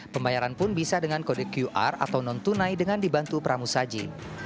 pembayaran pun bisa dengan kode qr atau non tunai dengan dibantu pramu saji